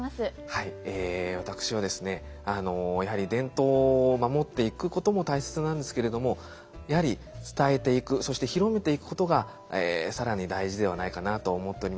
はい私はですねやはり伝統を守っていくことも大切なんですけれどもやはり伝えていくそして広めていくことが更に大事ではないかなと思っております。